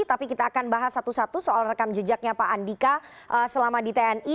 tapi kita akan bahas satu satu soal rekam jejaknya pak andika selama di tni